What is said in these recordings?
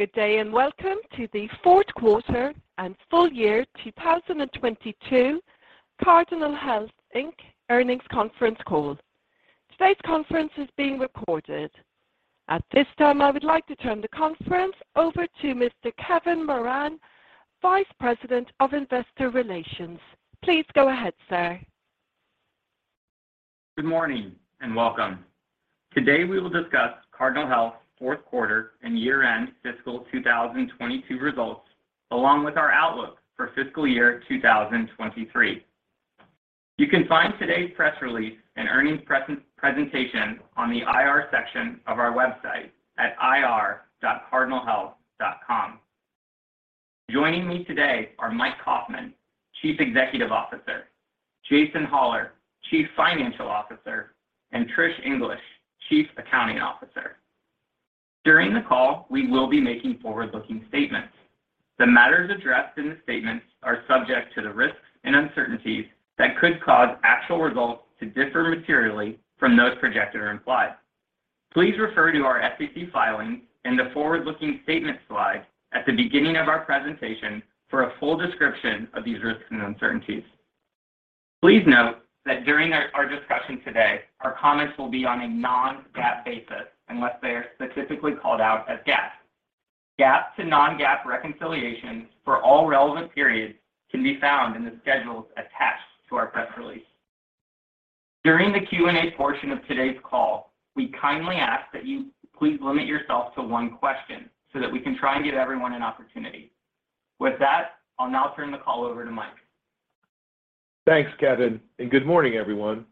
Good day, and welcome to the fourth quarter and full year 2022 Cardinal Health, Inc. earnings conference call. Today's conference is being recorded. At this time, I would like to turn the conference over to Mr. Kevin Moran, Vice President of Investor Relations. Please go ahead, sir. Good morning, and welcome. Today, we will discuss Cardinal Health fourth quarter and year-end fiscal 2022 results, along with our outlook for fiscal year 2023. You can find today's press release and earnings presentation on the IR section of our website at ir.cardinalhealth.com. Joining me today are Mike Kaufmann, Chief Executive Officer, Jason Hollar, Chief Financial Officer, and Trish English, Chief Accounting Officer. During the call, we will be making forward-looking statements. The matters addressed in the statements are subject to the risks and uncertainties that could cause actual results to differ materially from those projected or implied. Please refer to our SEC filings and the forward-looking statement slide at the beginning of our presentation for a full description of these risks and uncertainties. Please note that during our discussion today, our comments will be on a non-GAAP basis, unless they are specifically called out as GAAP. GAAP to non-GAAP reconciliations for all relevant periods can be found in the schedules attached to our press release. During the Q&A portion of today's call, we kindly ask that you please limit yourself to one question so that we can try and give everyone an opportunity. With that, I'll now turn the call over to Mike. Thanks Kevin, and good morning everyone.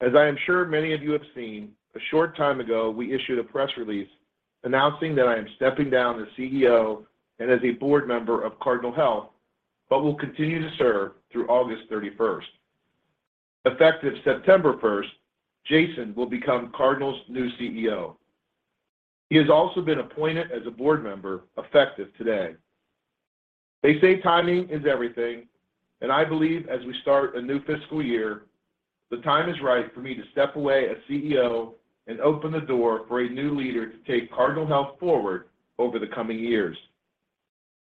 As I am sure many of you have seen, a short time ago, we issued a press release announcing that I am stepping down as CEO and as a board member of Cardinal Health, but will continue to serve through August 31. Effective September 1, Jason will become Cardinal's new CEO. He has also been appointed as a board member effective today. They say timing is everything, and I believe as we start a new fiscal year, the time is right for me to step away as CEO and open the door for a new leader to take Cardinal Health forward over the coming years.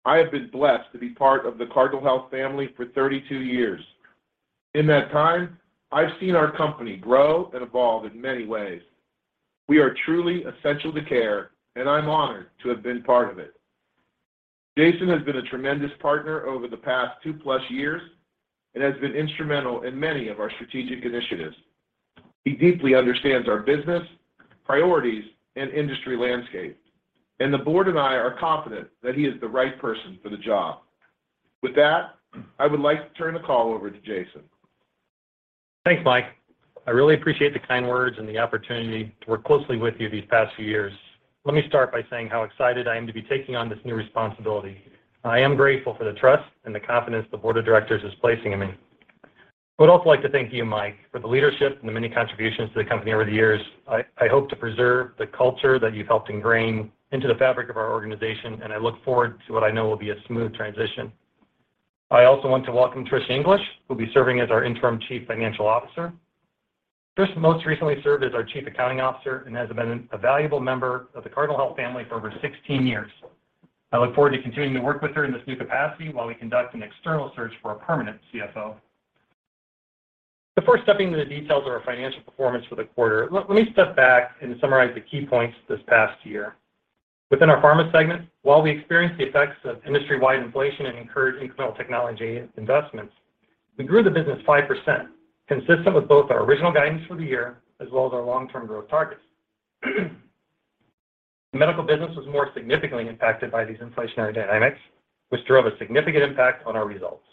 I have been blessed to be part of the Cardinal Health family for 32 years. In that time, I've seen our company grow and evolve in many ways. We are truly essential to care, and I'm honored to have been part of it. Jason has been a tremendous partner over the past 2+ years and has been instrumental in many of our strategic initiatives. He deeply understands our business, priorities, and industry landscape, and the board and I are confident that he is the right person for the job. With that, I would like to turn the call over to Jason. Thanks Mike I really appreciate the kind words and the opportunity to work closely with you these past few years. Let me start by saying how excited I am to be taking on this new responsibility. I am grateful for the trust and the confidence the board of directors is placing in me. I would also like to thank you, Mike, for the leadership and the many contributions to the company over the years. I hope to preserve the culture that you've helped ingrain into the fabric of our organization, and I look forward to what I know will be a smooth transition. I also want to welcome Trish English, who'll be serving as our Interim Chief Financial Officer. Trish most recently served as our Chief Accounting Officer and has been a valuable member of the Cardinal Health family for over 16 years. I look forward to continuing to work with her in this new capacity while we conduct an external search for a permanent CFO. Before stepping into the details of our financial performance for the quarter, let me step back and summarize the key points this past year. Within our pharma segment, while we experienced the effects of industry-wide inflation and incurred incremental technology investments, we grew the business 5%, consistent with both our original guidance for the year as well as our long-term growth targets. The medical business was more significantly impacted by these inflationary dynamics, which drove a significant impact on our results.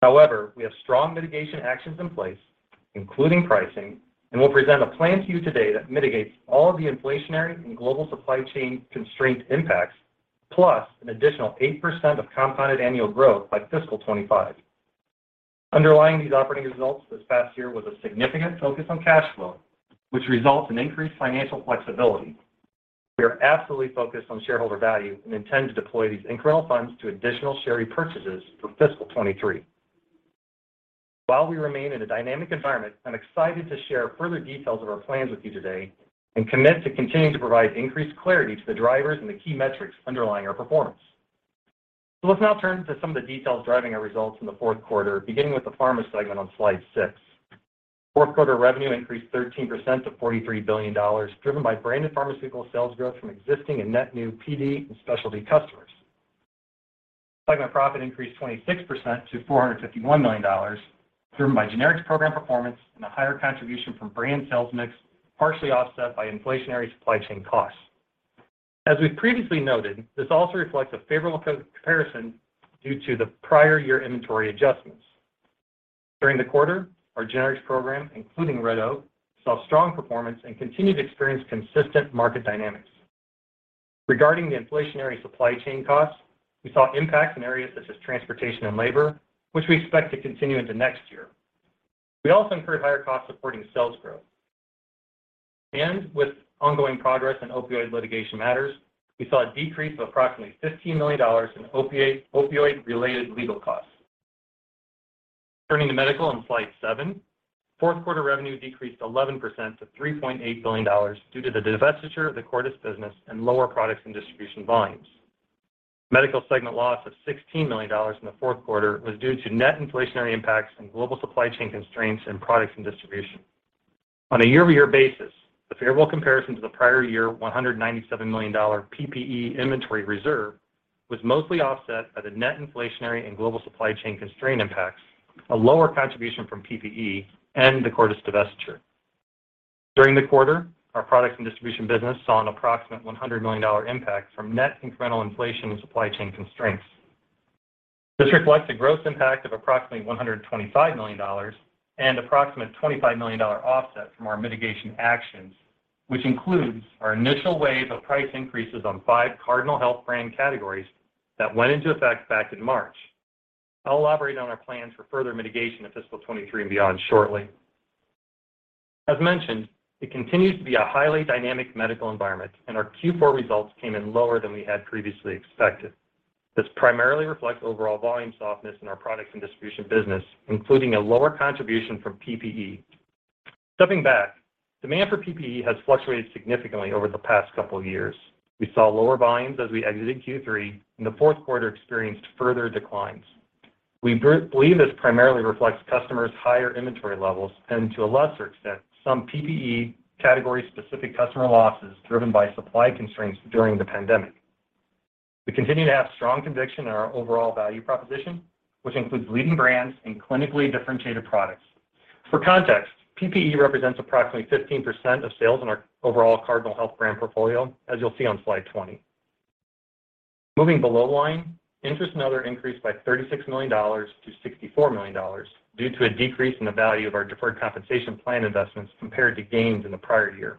However, we have strong mitigation actions in place, including pricing, and we'll present a plan to you today that mitigates all of the inflationary and global supply chain constraint impacts, plus an additional 8% of compounded annual growth by fiscal 2025. Underlying these operating results this past year was a significant focus on cash flow, which results in increased financial flexibility. We are absolutely focused on shareholder value and intend to deploy these incremental funds to additional share repurchases for fiscal 2023. While we remain in a dynamic environment, I'm excited to share further details of our plans with you today and commit to continuing to provide increased clarity to the drivers and the key metrics underlying our performance. Let's now turn to some of the details driving our results in the fourth quarter, beginning with the pharma segment on slide six. Fourth quarter revenue increased 13% to $43 billion, driven by branded pharmaceutical sales growth from existing and net new PD and specialty customers. Segment profit increased 26% to $451 million, driven by generics program performance and a higher contribution from brand sales mix, partially offset by inflationary supply chain costs. As we've previously noted, this also reflects a favorable co-comparison due to the prior year inventory adjustments. During the quarter, our generics program, including Red Oak, saw strong performance and continued to experience consistent market dynamics. Regarding the inflationary supply chain costs, we saw impacts in areas such as transportation and labor, which we expect to continue into next year. We also incurred higher costs supporting sales growth. With ongoing progress in opioid litigation matters, we saw a decrease of approximately $15 million in opioid-related legal costs. Turning to medical on slide seven, fourth quarter revenue decreased 11% to $3.8 billion due to the divestiture of the Cordis business and lower products and distribution volumes. Medical segment loss of $16 million in the fourth quarter was due to net inflationary impacts and global supply chain constraints in products and distribution. On a year-over-year basis, the favorable comparison to the prior year $197 million PPE inventory reserve was mostly offset by the net inflationary and global supply chain constraint impacts, a lower contribution from PPE and the Cordis divestiture. During the quarter, our products and distribution business saw an approximate $100 million impact from net incremental inflation and supply chain constraints. This reflects a gross impact of approximately $125 million and an approximate $25 million offset from our mitigation actions, which includes our initial wave of price increases on five Cardinal Health brand categories that went into effect back in March. I'll elaborate on our plans for further mitigation of fiscal 2023 and beyond shortly. As mentioned, it continues to be a highly dynamic medical environment, and our Q4 results came in lower than we had previously expected. This primarily reflects overall volume softness in our products and distribution business, including a lower contribution from PPE. Stepping back, demand for PPE has fluctuated significantly over the past couple of years. We saw lower volumes as we exited Q3, and the fourth quarter experienced further declines. We believe this primarily reflects customers' higher inventory levels and to a lesser extent, some PPE category-specific customer losses driven by supply constraints during the pandemic. We continue to have strong conviction in our overall value proposition, which includes leading brands and clinically differentiated products. For context, PPE represents approximately 15% of sales in our overall Cardinal Health brand portfolio, as you'll see on slide 20. Moving below line, interest and other increased by $36 million-$64 million due to a decrease in the value of our deferred compensation plan investments compared to gains in the prior year.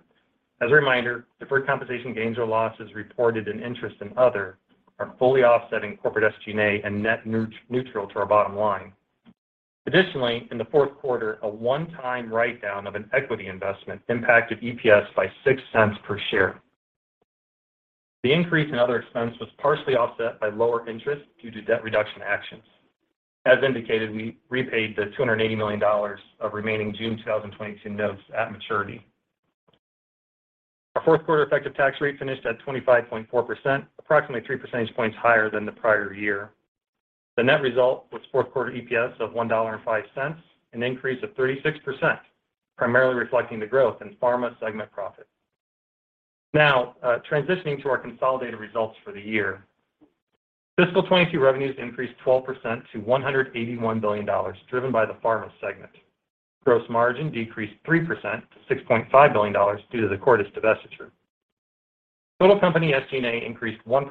As a reminder, deferred compensation gains or losses reported in interest and other are fully offsetting corporate SG&A and net neutral to our bottom line. Additionally, in the fourth quarter, a one-time write down of an equity investment impacted EPS by $0.06 per share. The increase in other expense was partially offset by lower interest due to debt reduction actions. As indicated, we repaid $280 million of remaining June 2022 notes at maturity. Our fourth quarter effective tax rate finished at 25.4%, approximately three percentage points higher than the prior year. The net result was fourth quarter EPS of $1.05, an increase of 36%, primarily reflecting the growth in pharma segment profit. Now, transitioning to our consolidated results for the year. Fiscal 2022 revenues increased 12% to $181 billion, driven by the pharma segment. Gross margin decreased 3% to $6.5 billion due to the Cordis divestiture. Total company SG&A increased 1%,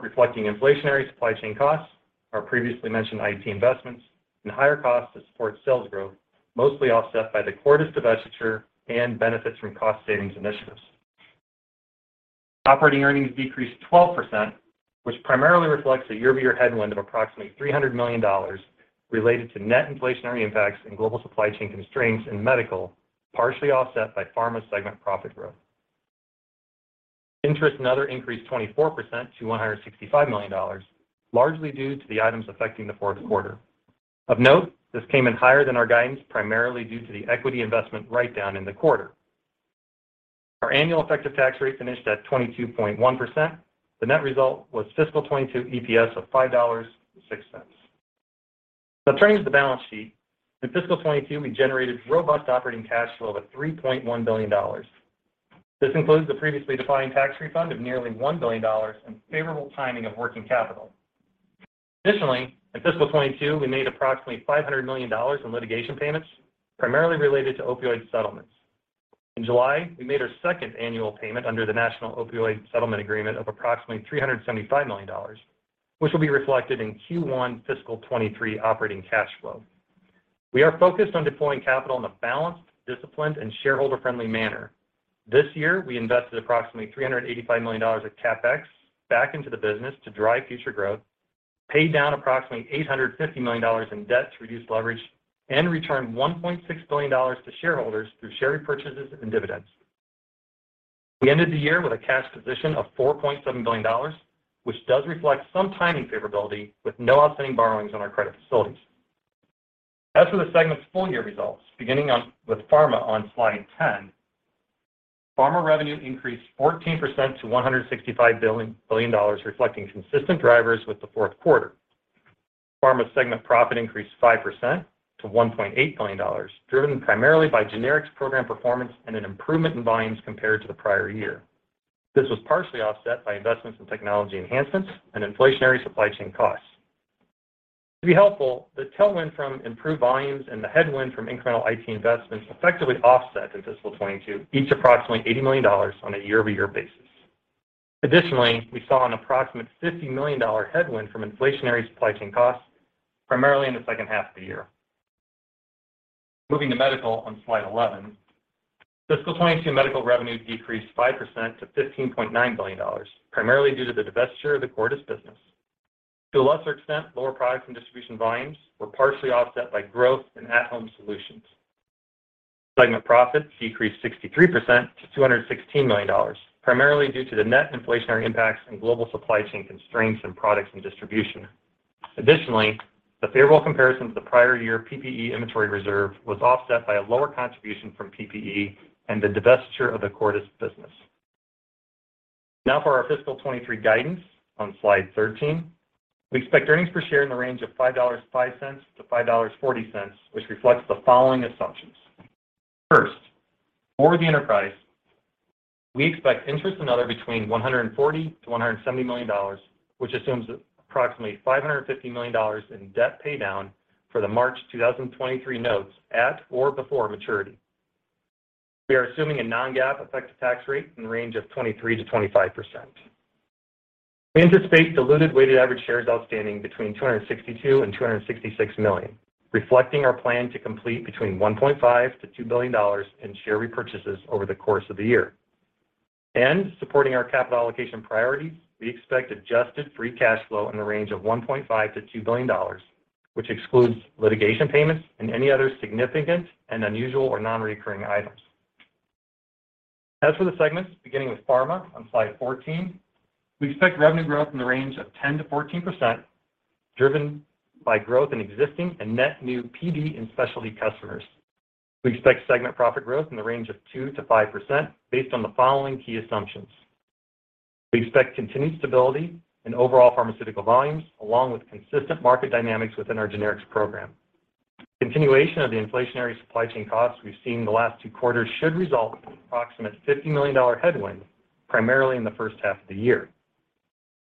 reflecting inflationary supply chain costs, our previously mentioned IT investments, and higher costs to support sales growth, mostly offset by the Cordis divestiture and benefits from cost savings initiatives. Operating earnings decreased 12%, which primarily reflects a year-over-year headwind of approximately $300 million related to net inflationary impacts and global supply chain constraints in medical, partially offset by pharma segment profit growth. Interest and other increased 24% to $165 million, largely due to the items affecting the fourth quarter. Of note, this came in higher than our guidance, primarily due to the equity investment write-down in the quarter. Our annual effective tax rate finished at 22.1%. The net result was fiscal 2022 EPS of $5.06. Now turning to the balance sheet. In fiscal 2022, we generated robust operating cash flow of $3.1 billion. This includes the previously defined tax refund of nearly $1 billion and favorable timing of working capital. Additionally, in fiscal 2022, we made approximately $500 million in litigation payments, primarily related to opioid settlements. In July, we made our second annual payment under the National Opioid Settlement Agreement of approximately $375 million, which will be reflected in Q1 fiscal 2023 operating cash flow. We are focused on deploying capital in a balanced, disciplined, and shareholder-friendly manner. This year, we invested approximately $385 million of CapEx back into the business to drive future growth, paid down approximately $850 million in debt to reduce leverage, and returned $1.6 billion to shareholders through share repurchases and dividends. We ended the year with a cash position of $4.7 billion, which does reflect some timing favorability with no outstanding borrowings on our credit facilities. As for the segment's full-year results, beginning with pharma on slide 10. Pharma revenue increased 14% to $165 billion, reflecting consistent drivers with the fourth quarter. Pharma segment profit increased 5% to $1.8 billion, driven primarily by generics program performance and an improvement in volumes compared to the prior year. This was partially offset by investments in technology enhancements and inflationary supply chain costs. To be helpful, the tailwind from improved volumes and the headwind from incremental IT investments effectively offset in fiscal 2022, each approximately $80 million on a year-over-year basis. Additionally, we saw an approximate $50 million headwind from inflationary supply chain costs, primarily in the second half of the year. Moving to medical on slide 11. Fiscal 2022 medical revenue decreased 5% to $15.9 billion, primarily due to the divestiture of the Cordis business. To a lesser extent, lower products and distribution volumes were partially offset by growth in at-Home Solutions. Segment profits decreased 63% to $216 million, primarily due to the net inflationary impacts and global supply chain constraints in products and distribution. Additionally, the favorable comparison to the prior year PPE inventory reserve was offset by a lower contribution from PPE and the divestiture of the Cordis business. Now for our Fiscal 2023 guidance on slide 13. We expect earnings per share in the range of $5.05-$5.40, which reflects the following assumptions. First, for the enterprise, we expect interest and other between $140 million-$170 million, which assumes approximately $550 million in debt pay down for the March 2023 notes at or before maturity. We are assuming a non-GAAP effective tax rate in the range of 23%-25%. We anticipate diluted weighted average shares outstanding between $262 million-$266 million, reflecting our plan to complete between $1.5 billion-$2 billion in share repurchases over the course of the year. Supporting our capital allocation priorities, we expect adjusted free cash flow in the range of $1.5 billion-$2 billion, which excludes litigation payments and any other significant and unusual or non-recurring items. As for the segments, beginning with Pharma on slide 14, we expect revenue growth in the range of 10%-14%, driven by growth in existing and net new PD and specialty customers. We expect segment profit growth in the range of 2%-5% based on the following key assumptions. We expect continued stability in overall pharmaceutical volumes, along with consistent market dynamics within our generics program. Continuation of the inflationary supply chain costs we've seen in the last two quarters should result in an approximate $50 million headwind, primarily in the first half of the year.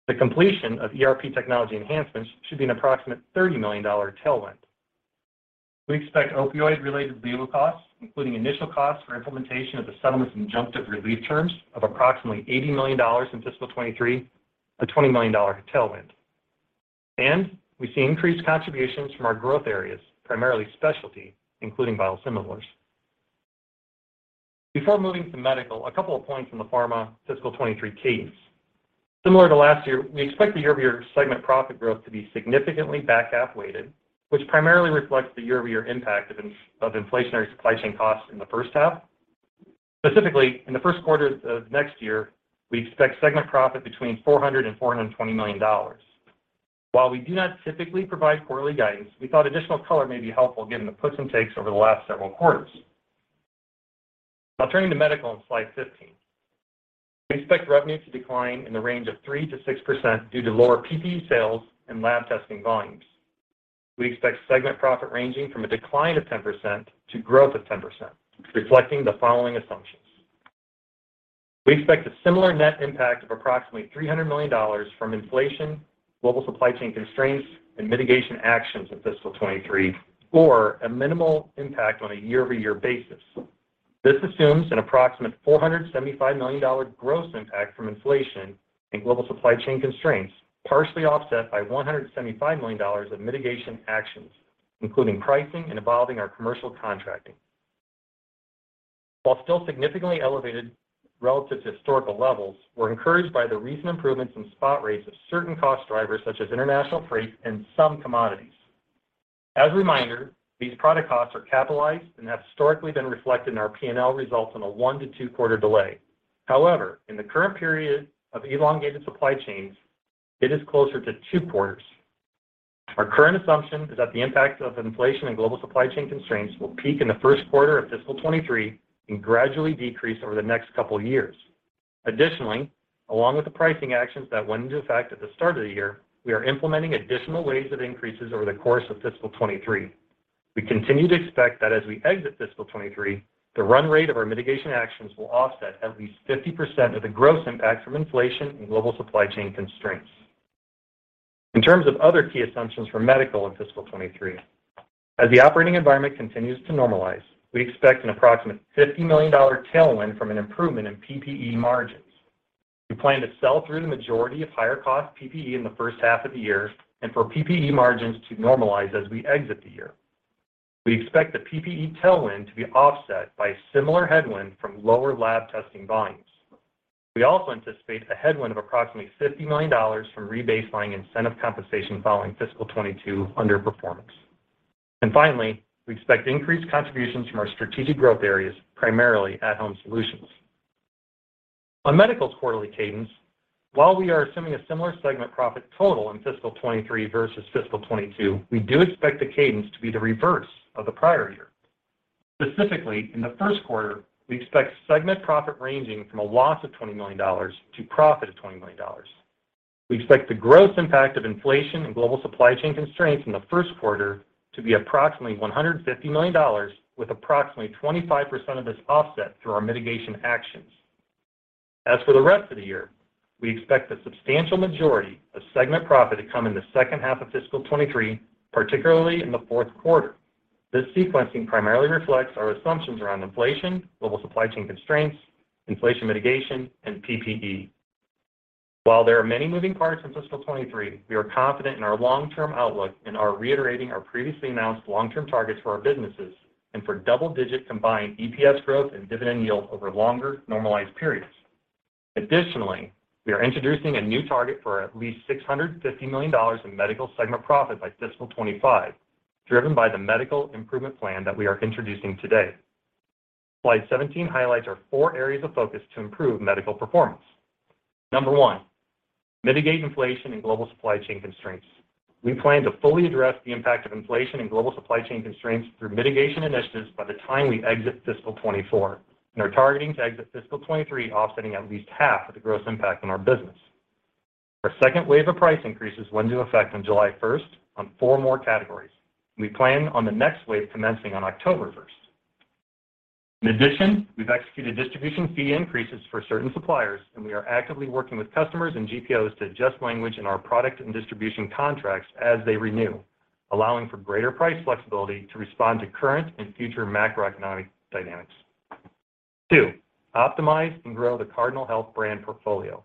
The completion of ERP technology enhancements should be an approximate $30 million tailwind. We expect opioid-related legal costs, including initial costs for implementation of the settlement's injunctive relief terms of approximately $80 million in fiscal 2023, a $20 million tailwind. We see increased contributions from our growth areas, primarily specialty, including biosimilars. Before moving to medical, a couple of points on the pharma fiscal 2023 cadence. Similar to last year, we expect the year-over-year segment profit growth to be significantly back-half weighted, which primarily reflects the year-over-year impact of of inflationary supply chain costs in the first half. Specifically, in the first quarter of next year, we expect segment profit between $400 million and $420 million. While we do not typically provide quarterly guidance, we thought additional color may be helpful given the puts and takes over the last several quarters. Now turning to medical on slide 15. We expect revenue to decline in the range of 3%-6% due to lower PPE sales and lab testing volumes. We expect segment profit ranging from a decline of 10% to growth of 10%, reflecting the following assumptions. We expect a similar net impact of approximately $300 million from inflation, global supply chain constraints, and mitigation actions in fiscal 2023, or a minimal impact on a year-over-year basis. This assumes an approximate $475 million gross impact from inflation and global supply chain constraints, partially offset by $175 million of mitigation actions, including pricing and evolving our commercial contracting. While still significantly elevated relative to historical levels, we're encouraged by the recent improvements in spot rates of certain cost drivers such as international freight and some commodities. As a reminder, these product costs are capitalized and have historically been reflected in our P&L results on a one to two quarter delay. However, in the current period of elongated supply chains, it is closer to two quarters. Our current assumption is that the impact of inflation and global supply chain constraints will peak in the first quarter of fiscal 2023 and gradually decrease over the next couple years. Additionally, along with the pricing actions that went into effect at the start of the year, we are implementing additional ways of increases over the course of fiscal 2023. We continue to expect that as we exit fiscal 2023, the run rate of our mitigation actions will offset at least 50% of the gross impact from inflation and global supply chain constraints. In terms of other key assumptions for medical in fiscal 2023, as the operating environment continues to normalize, we expect an approximate $50 million tailwind from an improvement in PPE margins. We plan to sell through the majority of higher cost PPE in the first half of the year and for PPE margins to normalize as we exit the year. We expect the PPE tailwind to be offset by similar headwind from lower lab testing volumes. We also anticipate a headwind of approximately $50 million from rebaselining incentive compensation following fiscal 2022 underperformance. Finally, we expect increased contributions from our strategic growth areas, primarily at-Home Solutions. On medical's quarterly cadence, while we are assuming a similar segment profit total in fiscal 2023 versus fiscal 2022, we do expect the cadence to be the reverse of the prior year. Specifically, in the first quarter, we expect segment profit ranging from a loss of $20 million to a profit of $20 million. We expect the gross impact of inflation and global supply chain constraints in the first quarter to be approximately $150 million, with approximately 25% of this offset through our mitigation actions. As for the rest of the year, we expect the substantial majority of segment profit to come in the second half of fiscal 2023, particularly in the fourth quarter. This sequencing primarily reflects our assumptions around inflation, global supply chain constraints, inflation mitigation, and PPE. While there are many moving parts in fiscal 2023, we are confident in our long-term outlook and are reiterating our previously announced long-term targets for our businesses and for double-digit combined EPS growth and dividend yield over longer normalized periods. Additionally, we are introducing a new target for at least $650 million in medical segment profit by fiscal 2025, driven by the medical improvement plan that we are introducing today. Slide 17 highlights our four areas of focus to improve medical performance. Number one, mitigate inflation and global supply chain constraints. We plan to fully address the impact of inflation and global supply chain constraints through mitigation initiatives by the time we exit fiscal 2024, and are targeting to exit fiscal 2023 offsetting at least half of the gross impact on our business. Our second wave of price increases went into effect on July 1 on four more categories. We plan on the next wave commencing on October 1. In addition, we've executed distribution fee increases for certain suppliers, and we are actively working with customers and GPOs to adjust language in our product and distribution contracts as they renew, allowing for greater price flexibility to respond to current and future macroeconomic dynamics. Two, optimize and grow the Cardinal Health brand portfolio.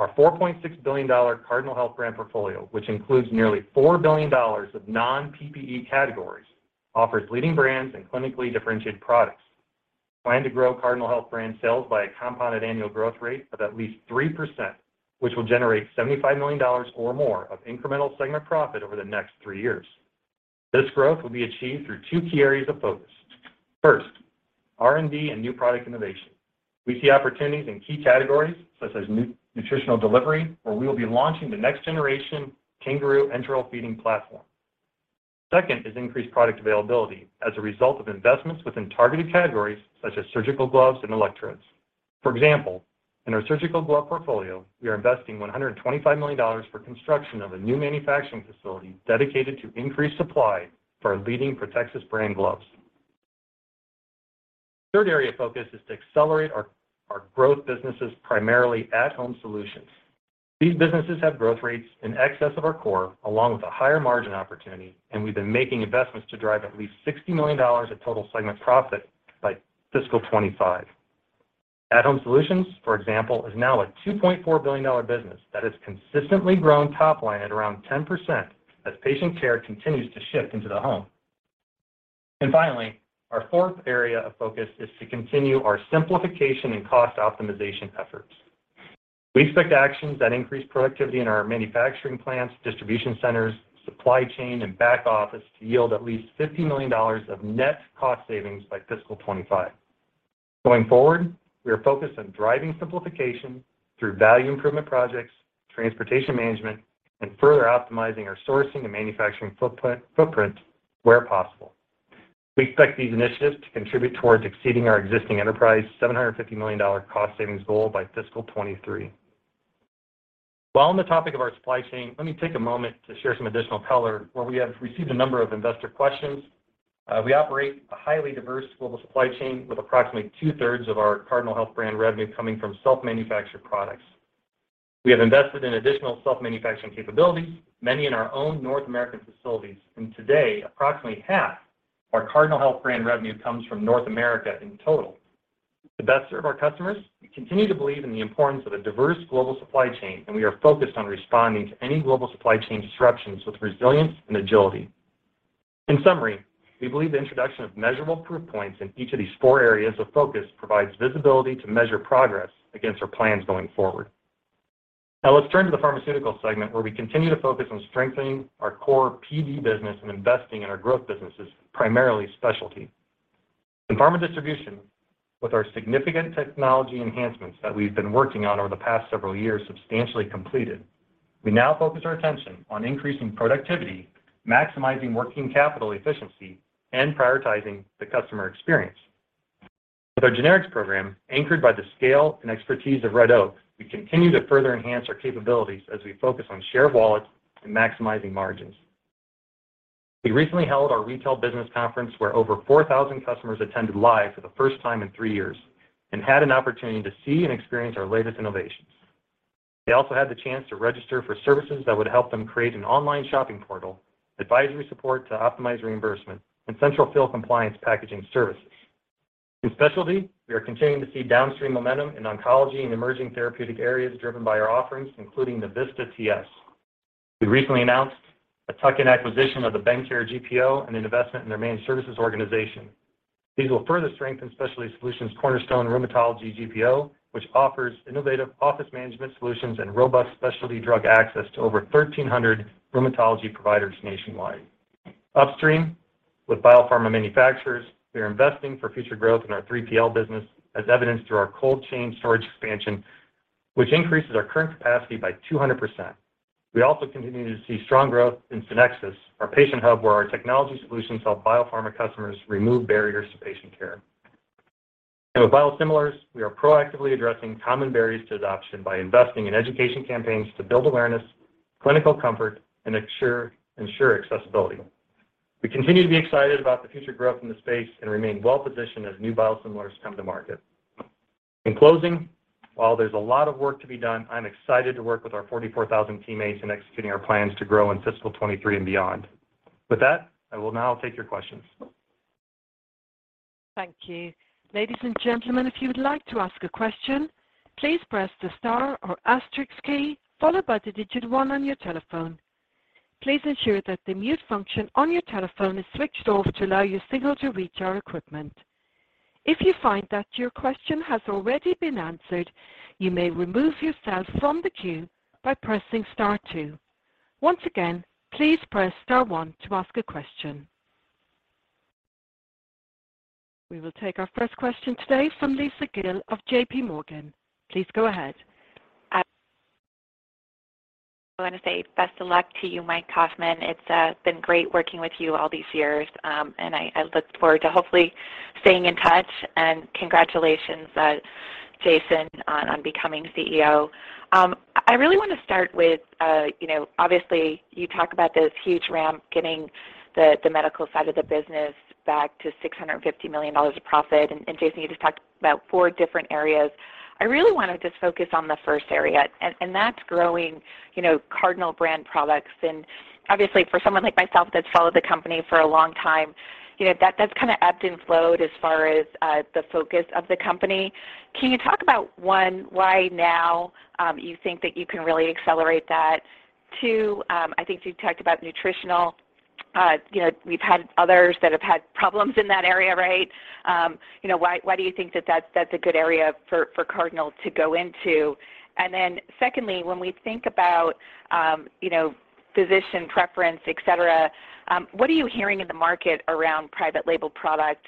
Our $4.6 billion Cardinal Health brand portfolio, which includes nearly $4 billion of non-PPE categories, offers leading brands and clinically differentiated products. Plan to grow Cardinal Health brand sales by a compounded annual growth rate of at least 3%, which will generate $75 million or more of incremental segment profit over the next three years. This growth will be achieved through two key areas of focus. First R&D and new product innovation. We see opportunities in key categories such as nutritional delivery, where we will be launching the next generation Kangaroo enteral feeding platform. Second is increased product availability as a result of investments within targeted categories such as surgical gloves and electrodes. For example, in our surgical glove portfolio, we are investing $125 million for construction of a new manufacturing facility dedicated to increased supply for our leading Protexis brand gloves. Third area of focus is to accelerate our growth businesses, primarily at-Home Solutions. These businesses have growth rates in excess of our core, along with a higher margin opportunity, and we've been making investments to drive at least $60 million of total segment profit by fiscal 2025. at-Home Solutions for example, is now a $2.4 billion business that has consistently grown top line at around 10% as patient care continues to shift into the home. Finally, our fourth area of focus is to continue our simplification and cost optimization efforts. We expect actions that increase productivity in our manufacturing plants, distribution centers, supply chain, and back office to yield at least $50 million of net cost savings by fiscal 2025. Going forward, we are focused on driving simplification through value improvement projects, transportation management, and further optimizing our sourcing and manufacturing footprint where possible. We expect these initiatives to contribute towards exceeding our existing enterprise $750 million cost savings goal by fiscal 2023. While on the topic of our supply chain, let me take a moment to share some additional color where we have received a number of investor questions. We operate a highly diverse global supply chain with approximately 2/3 of our Cardinal Health brand revenue coming from self-manufactured products. We have invested in additional self-manufacturing capabilities, many in our own North American facilities. Today, approximately half of our Cardinal Health brand revenue comes from North America in total. To best serve our customers, we continue to believe in the importance of a diverse global supply chain, and we are focused on responding to any global supply chain disruptions with resilience and agility. In summary, we believe the introduction of measurable proof points in each of these four areas of focus provides visibility to measure progress against our plans going forward. Now let's turn to the pharmaceutical segment, where we continue to focus on strengthening our core PD business and investing in our growth businesses, primarily specialty. In pharma distribution, with our significant technology enhancements that we've been working on over the past several years substantially completed, we now focus our attention on increasing productivity, maximizing working capital efficiency, and prioritizing the customer experience. With our generics program, anchored by the scale and expertise of Red Oak, we continue to further enhance our capabilities as we focus on share wallet and maximizing margins. We recently held our retail business conference, where over 4,000 customers attended live for the first time in three years and had an opportunity to see and experience our latest innovations. They also had the chance to register for services that would help them create an online shopping portal, advisory support to optimize reimbursement, and central fill compliance packaging services. In specialty, we are continuing to see downstream momentum in oncology and emerging therapeutic areas driven by our offerings, including the Navista TS. We recently announced a tuck-in acquisition of the Bendcare GPO and an investment in their managed services organization. These will further strengthen Specialty Solutions Cornerstone Rheumatology GPO, which offers innovative office management solutions and robust specialty drug access to over 1,300 rheumatology providers nationwide. Upstream with biopharma manufacturers, we are investing for future growth in our 3PL business as evidenced through our cold chain storage expansion, which increases our current capacity by 200%. We also continue to see strong growth in Sonexus, our patient hub, where our technology solutions help biopharma customers remove barriers to patient care. With biosimilars, we are proactively addressing common barriers to adoption by investing in education campaigns to build awareness, clinical comfort, and ensure accessibility. We continue to be excited about the future growth in the space and remain well positioned as new biosimilars come to market. In closing, while there's a lot of work to be done, I'm excited to work with our 44,000 teammates in executing our plans to grow in fiscal 2023 and beyond. With that, I will now take your questions. Thank you. Ladies and gentlemen if you would like to ask a question, please press the star or asterisk key followed by the digit one on your telephone. Please ensure that the mute function on your telephone is switched off to allow your signal to reach our equipment. If you find that your question has already been answered, you may remove yourself from the queue by pressing star two. Once again, please press star one to ask a question. We will take our first question today from Lisa Gill of JPMorgan. Please go ahead. I want to say best of luck to you Mike Kaufmann. It's been great working with you all these years. I look forward to hopefully staying in touch, and congratulations, Jason on becoming CEO. I really want to start with, you know, obviously you talk about this huge ramp getting the medical side of the business back to $650 million of profit. Jason, you just talked about four different areas. I really wanna just focus on the first area, and that's growing, you know, Cardinal brand products. Obviously for someone like myself that's followed the company for a long time, you know, that's kinda ebbed and flowed as far as the focus of the company. Can you talk about, one, why now, you think that you can really accelerate that? Two I think you've talked about nutritional you know, we've had others that have had problems in that area, right? You know, why do you think that's a good area for Cardinal to go into? Then secondly, when we think about, you know, physician preference, etc., what are you hearing in the market around private label product,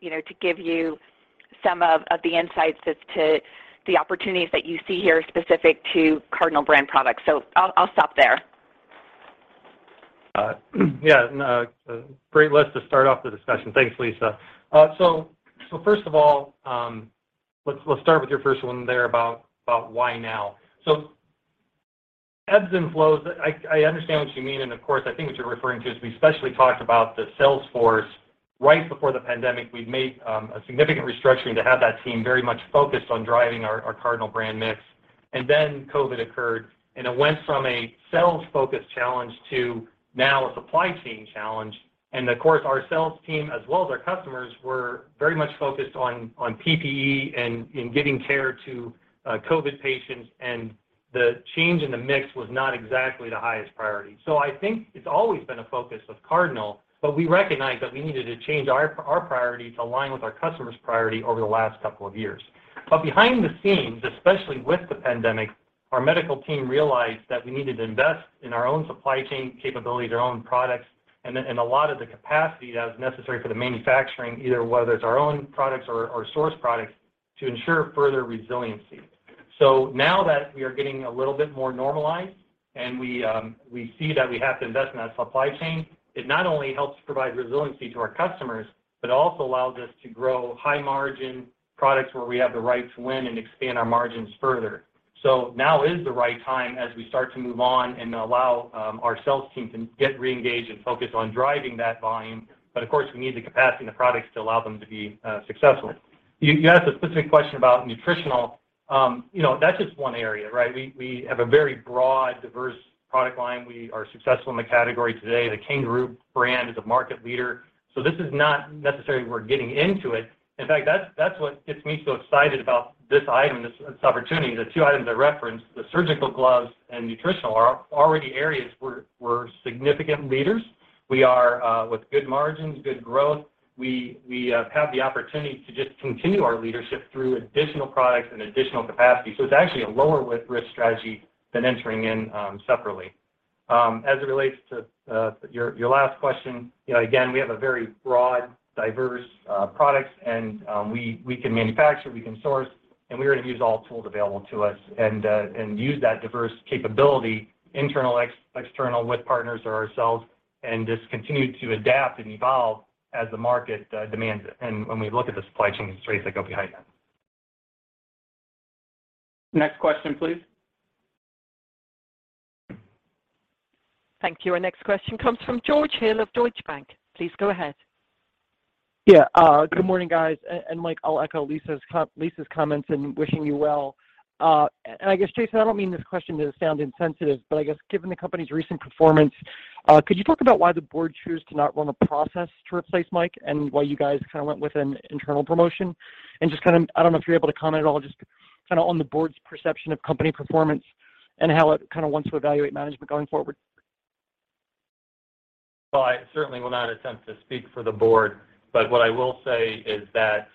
you know, to give you some of the insights as to the opportunities that you see here specific to Cardinal brand products? I'll stop there. Yeah. No, a great list to start off the discussion. Thanks, Lisa. First of all, let's start with your first one there about why now. Ebbs and flows, I understand what you mean, and of course, I think what you're referring to is we especially talked about the sales force. Right before the pandemic, we'd made a significant restructuring to have that team very much focused on driving our Cardinal brand mix. COVID occurred, and it went from a sales-focused challenge to now a supply chain challenge. Of course, our sales team, as well as our customers, were very much focused on PPE and in getting care to COVID patients, and the change in the mix was not exactly the highest priority. I think it's always been a focus of Cardinal, but we recognized that we needed to change our priority to align with our customers' priority over the last couple of years. But behind the scenes, especially with the pandemic, our medical team realized that we needed to invest in our own supply chain capability, their own products, and a lot of the capacity that was necessary for the manufacturing, either whether it's our own products or source products, to ensure further resiliency. Now that we are getting a little bit more normalized and we see that we have to invest in that supply chain, it not only helps provide resiliency to our customers, but also allows us to grow high margin products where we have the right to win and expand our margins further. Now is the right time as we start to move on and allow our sales team to get reengaged and focused on driving that volume. Of course, we need the capacity and the products to allow them to be successful. You asked a specific question about nutritional. You know, that's just one area, right? We have a very broad, diverse product line. We are successful in the category today. The Kangaroo brand is a market leader, so this is not necessarily we're getting into it. In fact, that's what gets me so excited about this item, this opportunity. The two items I referenced, the surgical gloves and nutritional are already areas we're significant leaders. We are with good margins, good growth. We have the opportunity to just continue our leadership through additional products and additional capacity, so it's actually a lower risk strategy than entering in separately. As it relates to your last question, you know, again, we have a very broad, diverse products and we can manufacture, we can source, and we're gonna use all tools available to us and use that diverse capability, internal, external with partners or ourselves and just continue to adapt and evolve as the market demands it and when we look at the supply chain constraints that go behind that. Next question, please. Thank you. Our next question comes from George Hill of Deutsche Bank. Please go ahead. Yeah. Good morning guys. And Mike I'll echo Lisa's comments in wishing you well. I guess, Jason, I don't mean this question to sound insensitive, but I guess given the company's recent performance, could you talk about why the board choose to not run a process to replace Mike and why you guys kinda went with an internal promotion? Just kind of, I don't know if you're able to comment at all, just kinda on the board's perception of company performance and how it kinda wants to evaluate management going forward. Well I certainly will not attempt to speak for the board, but what I will say is that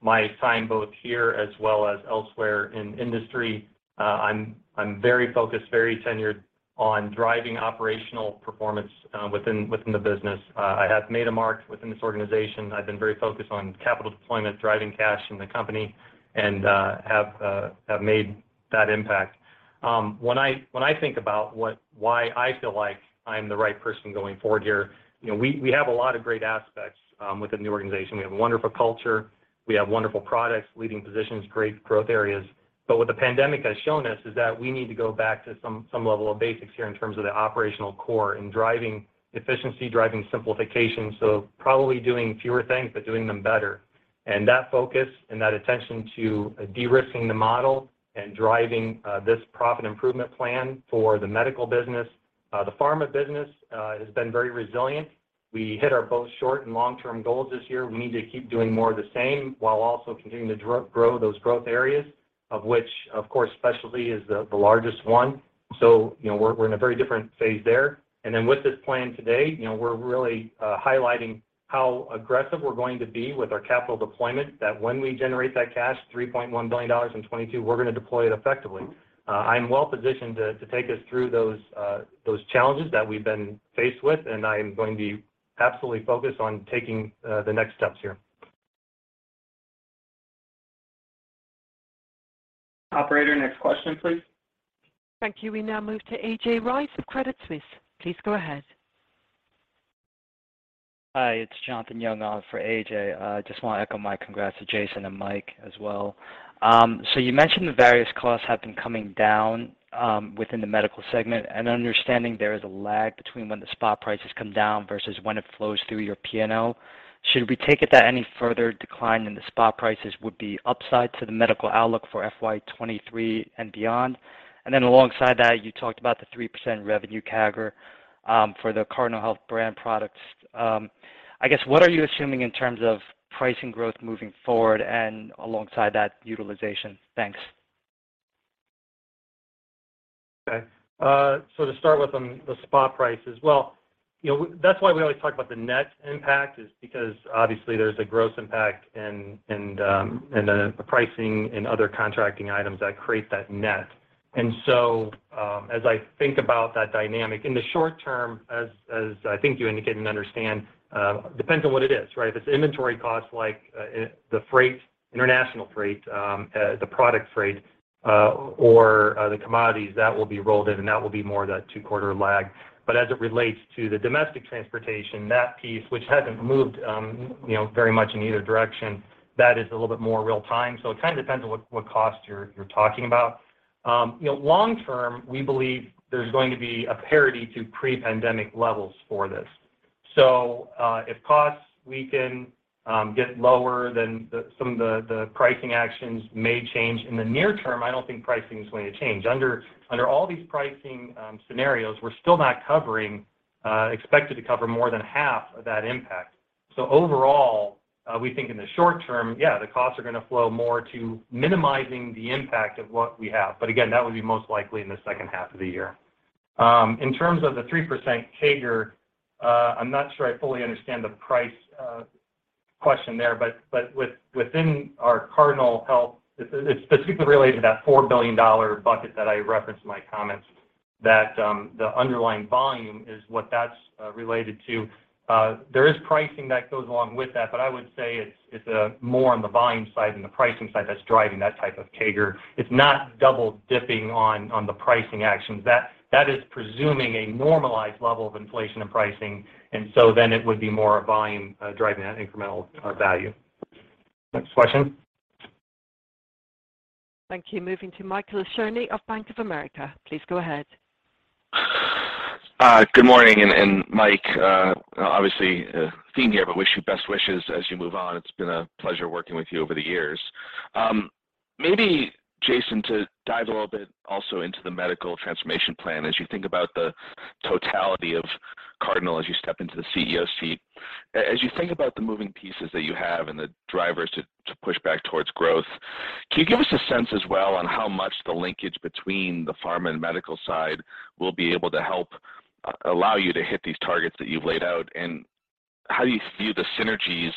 my time both here as well as elsewhere in industry, I'm very focused, very tenured on driving operational performance within the business. I have made a mark within this organization. I've been very focused on capital deployment, driving cash in the company, and have made that impact. When I think about why I feel like I'm the right person going forward here, you know, we have a lot of great aspects within the organization. We have a wonderful culture. We have wonderful products, leading positions, great growth areas. What the pandemic has shown us is that we need to go back to some level of basics here in terms of the operational core and driving efficiency, driving simplification, so probably doing fewer things but doing them better. That focus and that attention to de-risking the model and driving this profit improvement plan for the medical business. The pharma business has been very resilient. We hit our both short and long-term goals this year. We need to keep doing more of the same while also continuing to grow those growth areas, of which, of course, specialty is the largest one. You know, we're in a very different phase there. With this plan today, you know, we're really highlighting how aggressive we're going to be with our capital deployment, that when we generate that cash, $3.1 billion in 2022, we're gonna deploy it effectively. I'm well-positioned to take us through those challenges that we've been faced with, and I am going to be absolutely focused on taking the next steps here. Operator next question, please. Thank you. We now move to A.J. Rice of Credit Suisse. Please go ahead. Hi, it's Jonathan Yong on for A.J. I just wanna echo my congrats to Jason and Mike as well. You mentioned the various costs have been coming down within the medical segment. Understanding there is a lag between when the spot prices come down versus when it flows through your P&L, should we take it that any further decline in the spot prices would be upside to the medical outlook for FY 2023 and beyond? Alongside that, you talked about the 3% revenue CAGR for the Cardinal Health brand products. I guess, what are you assuming in terms of pricing growth moving forward and alongside that utilization? Thanks. Okay. To start with on the spot prices, well, you know, that's why we always talk about the net impact is because obviously there's a gross impact and then the pricing and other contracting items that create that net. As I think about that dynamic, in the short term, as I think you indicated and understand, depends on what it is, right? If it's inventory costs like the freight, international freight, the product freight, or the commodities, that will be rolled in and that will be more of a two-quarter lag. But as it relates to the domestic transportation, that piece, which hasn't moved, you know, very much in either direction, that is a little bit more real time. It kinda depends on what cost you're talking about. You know long term we believe there's going to be a parity to pre-pandemic levels for this. If costs weaken, get lower, then the, some of the pricing actions may change. In the near term, I don't think pricing is going to change. Under all these pricing, scenarios, we're still not covering, expected to cover more than half of that impact. Overall, we think in the short term, the costs are gonna flow more to minimizing the impact of what we have. Again, that would be most likely in the second half of the year. In terms of the 3% CAGR I'm not sure I fully understand the price question there, but within our Cardinal Health, it's specifically related to that $4 billion bucket that I referenced in my comments that the underlying volume is what that's related to. There is pricing that goes along with that, but I would say it's more on the volume side than the pricing side that's driving that type of CAGR. It's not double-dipping on the pricing actions. That is presuming a normalized level of inflation and pricing, and so then it would be more volume driving that incremental value. Next question. Thank you. Moving to Michael Cherny of Bank of America. Please go ahead. Good morning. Mike obviously fitting here, but wish you best wishes as you move on. It's been a pleasure working with you over the years. Maybe Jason to dive a little bit also into the medical transformation plan. As you think about the totality of Cardinal as you step into the CEO seat, as you think about the moving pieces that you have and the drivers to push back towards growth, can you give us a sense as well on how much the linkage between the pharma and medical side will be able to help allow you to hit these targets that you've laid out, and how do you view the synergies,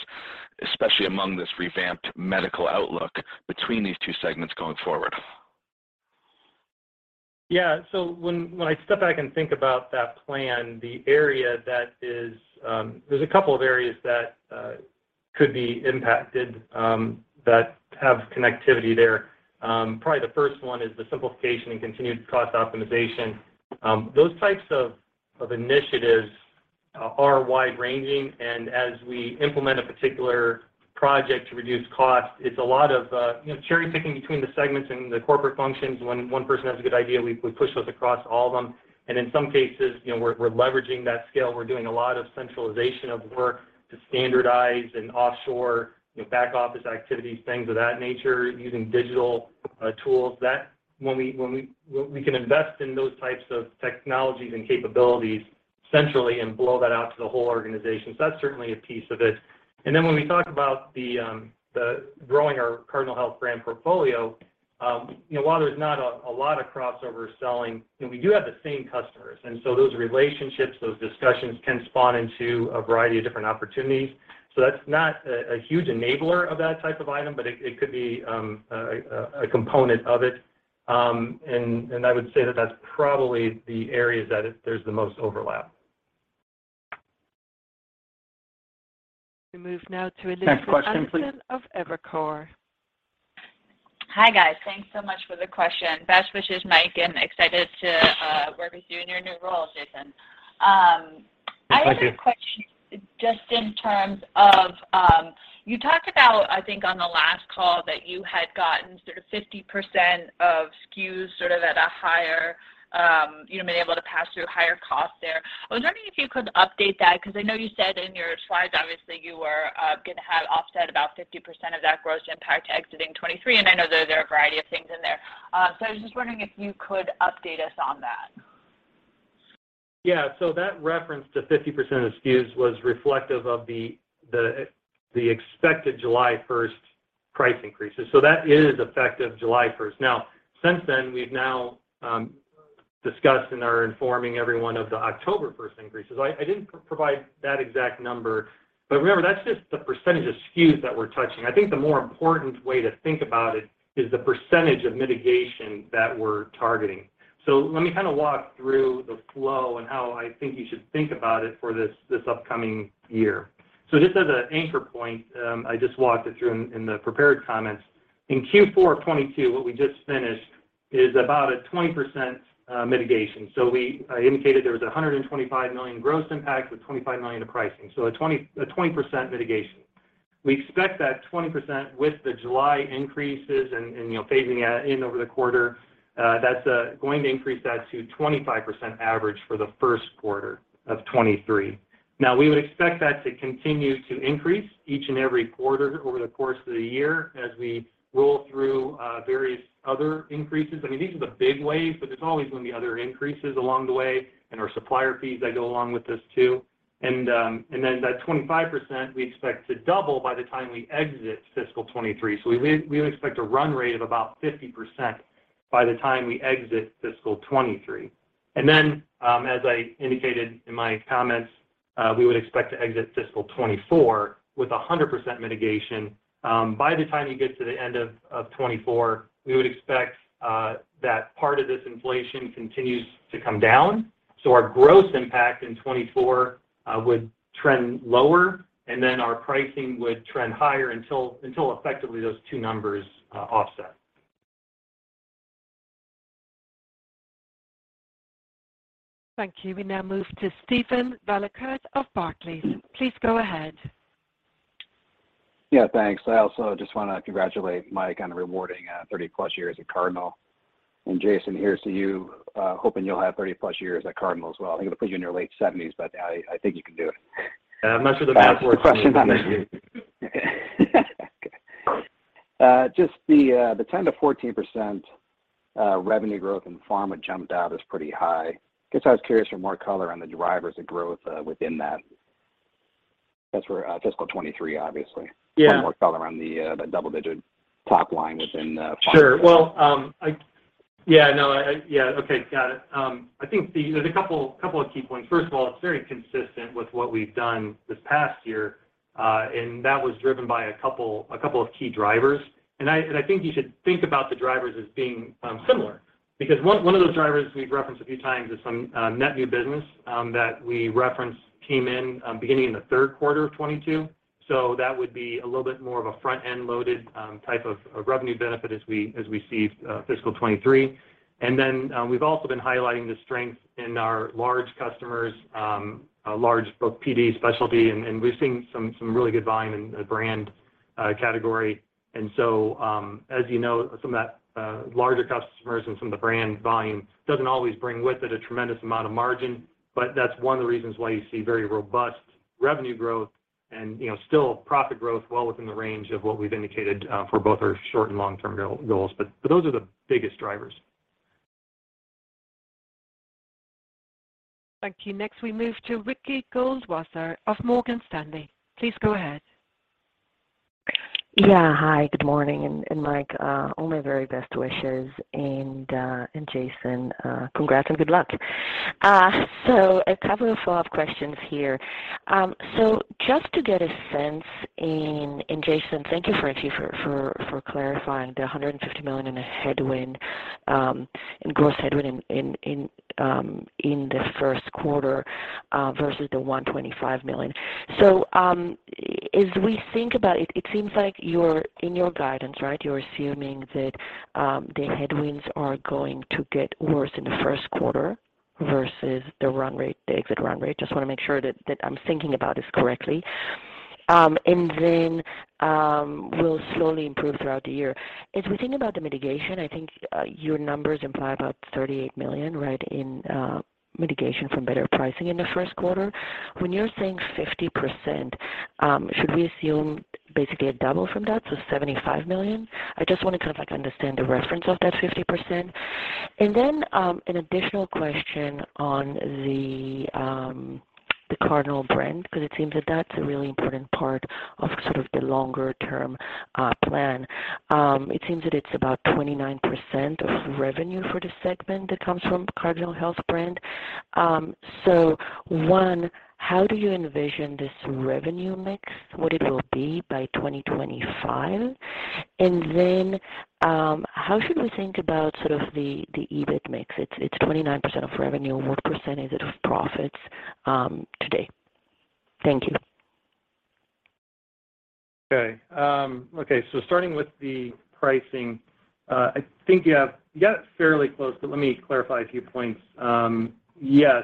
especially among this revamped medical outlook between these two segments going forward? When I step back and think about that plan, there's a couple of areas that could be impacted that have connectivity there. Probably the first one is the simplification and continued cost optimization. Those types of initiatives are wide-ranging, and as we implement a particular project to reduce cost, it's a lot of, you know, cherry-picking between the segments and the corporate functions. When one person has a good idea, we push those across all of them. In some cases, you know, we're leveraging that scale. We're doing a lot of centralization of work to standardize and offshore, you know, back office activities, things of that nature, using digital tools. That when we can invest in those types of technologies and capabilities centrally and blow that out to the whole organization. That's certainly a piece of it. When we talk about the growth in our Cardinal Health brand portfolio, you know, while there's not a lot of crossover selling, you know, we do have the same customers, and so those relationships, those discussions can spawn into a variety of different opportunities. That's not a huge enabler of that type of item, but it could be a component of it. I would say that's probably the area where there's the most overlap. We move now to Elizabeth Anderson. Next question please. of Evercore. Hi guys. Thanks so much for the question. Best wishes, Mike, and excited to work with you in your new role, Jason. My pleasure. I have a question just in terms of, you talked about, I think on the last call, that you had gotten sort of 50% of SKUs sort of at a higher, you know, been able to pass through higher costs there. I was wondering if you could update that, 'cause I know you said in your slides, obviously, you were, gonna have offset about 50% of that gross impact exiting 2023, and I know there are a variety of things in there. So I was just wondering if you could update us on that. Yeah. That reference to 50% of SKUs was reflective of the expected July first price increases. That is effective July first. Now, since then, we've now discussed and are informing everyone of the October first increases. I didn't provide that exact number, but remember that's just the percentage of SKUs that we're touching. I think the more important way to think about it is the percentage of mitigation that we're targeting. Let me kind of walk through the flow and how I think you should think about it for this upcoming year. Just as an anchor point, I just walked it through in the prepared comments. In Q4 of 2022, what we just finished is about a 20% mitigation. I indicated there was $125 million gross impact with $25 million to pricing, so a 20% mitigation. We expect that 20% with the July increases, you know, phasing it in over the quarter, that's going to increase that to 25% average for the first quarter of 2023. Now, we would expect that to continue to increase each and every quarter over the course of the year as we roll through various other increases. I mean, these are the big waves, but there's always going to be other increases along the way, and our supplier fees that go along with this too. Then that 25%, we expect to double by the time we exit fiscal 2023. We expect a run rate of about 50% by the time we exit fiscal 2023. As I indicated in my comments, we would expect to exit fiscal 2024 with 100% mitigation. By the time you get to the end of 2024, we would expect that part of this inflation continues to come down. Our gross impact in 2024 would trend lower, and then our pricing would trend higher until effectively those two numbers offset. Thank you. We now move to Steven Valiquette of Barclays. Please go ahead. Yeah thanks. I also just wanna congratulate Mike on rewarding 30+ years at Cardinal. Jason, here's to you, hoping you'll have 30+ years at Cardinal as well. I think it'll put you in your late seventies, but I think you can do it. I'm not sure the board. The questions on- Thank you. Just the 10%-14% revenue growth in pharma jumped out as pretty high. Guess I was curious for more color on the drivers of growth within that. That's for fiscal 2023, obviously. Yeah. Some more color around the double-digit top line within pharma. Sure. Well yeah, no yeah okay got it. I think there's a couple of key points. First of all, it's very consistent with what we've done this past year, and that was driven by a couple of key drivers. I think you should think about the drivers as being similar. Because one of those drivers we've referenced a few times is some net new business that we referenced came in beginning in the third quarter of 2022. That would be a little bit more of a front-end loaded type of revenue benefit as we see fiscal 2023. We've also been highlighting the strength in our large customers, both PD and specialty, and we've seen some really good volume in the brand category. As you know, some of those larger customers and some of the brand volume doesn't always bring with it a tremendous amount of margin, but that's one of the reasons why you see very robust revenue growth and, you know, still profit growth well within the range of what we've indicated for both our short- and long-term goals. Those are the biggest drivers. Thank you. Next we move to Ricky Goldwasser of Morgan Stanley. Please go ahead. Yeah hi good morning Mike all my very best wishes. Jason, congrats and good luck. A couple of follow-up questions here. Just to get a sense and, Jason, thank you frankly for clarifying the $150 million in a headwind, in gross headwind in the first quarter, versus the $125 million. As we think about it seems like you're in your guidance, right? You're assuming that the headwinds are going to get worse in the first quarter versus the run rate, the exit run rate. Just wanna make sure that I'm thinking about this correctly. Will slowly improve throughout the year. As we think about the mitigation I think your numbers imply about $38 million, right, in mitigation from better pricing in the first quarter. When you're saying 50%, should we assume basically a double from that, so $75 million? I just wanna kind of like understand the reference of that 50%. An additional question on the Cardinal brand, because it seems that that's a really important part of sort of the longer term plan. It seems that it's about 29% of revenue for the segment that comes from Cardinal Health brand. One, how do you envision this revenue mix, what it will be by 2025? How should we think about sort of the EBIT mix? It's 29% of revenue. What percentage is it of profits today? Thank you. Okay. Starting with the pricing I think you have you got it fairly close, but let me clarify a few points. Yes,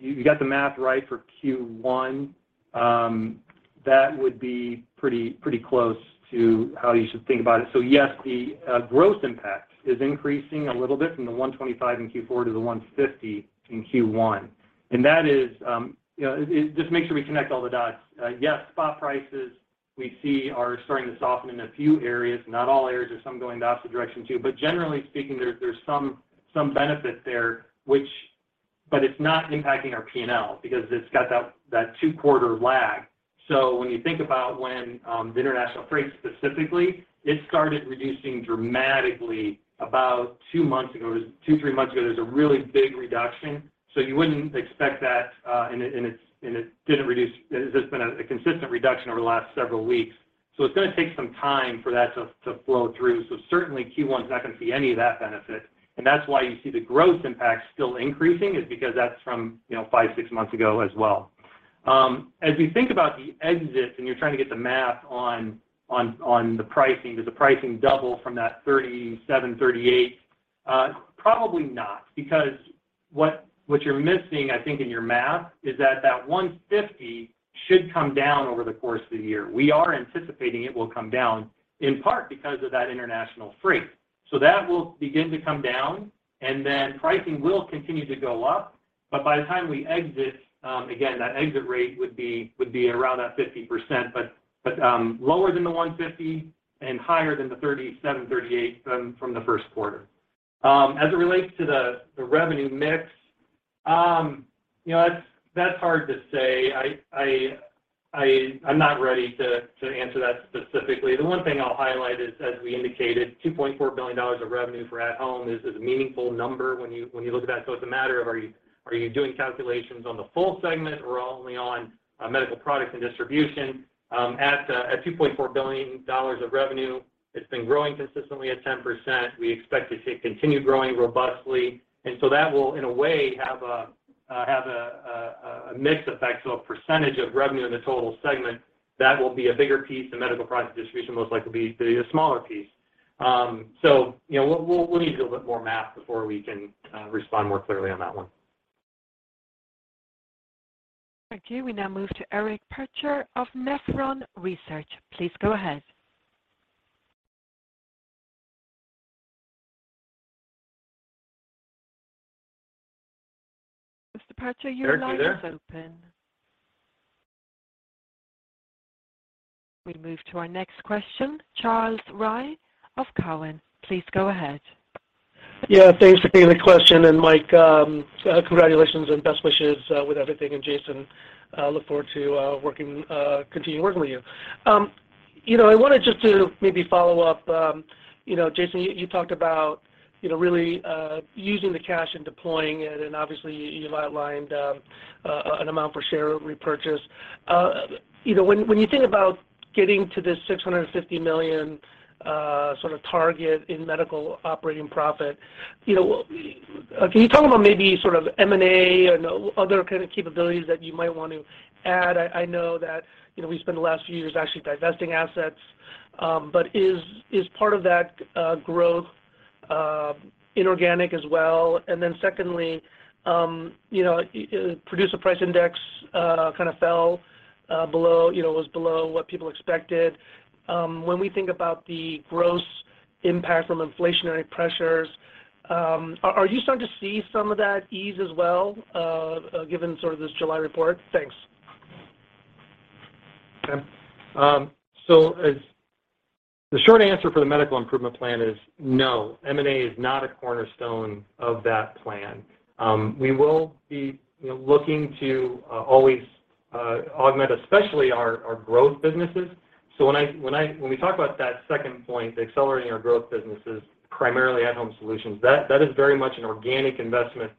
you got the math right for Q1. That would be pretty close to how you should think about it. Yes, the gross impact is increasing a little bit from the 125 in Q4 to the 150 in Q1. That is, you know, just make sure we connect all the dots. Yes, spot prices we see are starting to soften in a few areas, not all areas, there's some going the opposite direction too. Generally speaking, there's some benefit there, which, but it's not impacting our P&L because it's got that two-quarter lag. When you think about the international freight specifically, it started reducing dramatically about two months ago. Two-three months ago, there's a really big reduction. You wouldn't expect that, and it didn't reduce. There's just been a consistent reduction over the last several weeks. It's gonna take some time for that to flow through. Certainly Q1 is not gonna see any of that benefit, and that's why you see the growth impact still increasing is because that's from, you know, five to six months ago as well. As we think about the exit and you're trying to get the math on the pricing. Does the pricing double from that 37-38? Probably not because what you're missing I think in your math is that 150 should come down over the course of the year. We are anticipating it will come down, in part because of that international freight. That will begin to come down, and then pricing will continue to go up. By the time we exit, again, that exit rate would be around that 50%. Lower than the 150 and higher than the 37-38 from the first quarter. As it relates to the revenue mix, you know, that's hard to say. I'm not ready to answer that specifically. The one thing I'll highlight is as we indicated $2.4 billion of revenue for at home is a meaningful number when you look at that. It's a matter of are you doing calculations on the full segment or only on medical products and distribution. At $2.4 billion of revenue, it's been growing consistently at 10%. We expect it to continue growing robustly. That will in a way have a mix effect. A percentage of revenue in the total segment, that will be a bigger piece and medical products and distribution most likely be the smaller piece. You know, we'll need to do a bit more math before we can respond more clearly on that one. Thank you. We now move to Eric Percher of Nephron Research. Please go ahead. Mr. Percher, your line is open. Eric, you there? We move to our next question Charles Rhyee of Cowen. Please go ahead. Yeah, thanks for taking the question. Mike, congratulations and best wishes with everything. Jason, I look forward to working, continuing working with you. You know, I wanted just to maybe follow up, you know, Jason, you talked about, you know, really using the cash and deploying it, and obviously you've outlined an amount for share repurchase. You know, when you think about getting to this $650 million sort of target in medical operating profit, you know, can you talk about maybe sort of M&A and other kind of capabilities that you might want to add? I know that, you know, we spent the last few years actually divesting assets. Is part of that growth inorganic as well? And then secondly you know Producer Price Index kind of fell below, you know, was below what people expected. When we think about the gross impact from inflationary pressures, are you starting to see some of that ease as well, given sort of this July report? Thanks. The short answer for the medical improvement plan is no, M&A is not a cornerstone of that plan. We will be, you know, looking to always augment, especially our growth businesses. When we talk about that second point, accelerating our growth businesses primarily at-Home Solutions, that is very much an organic investment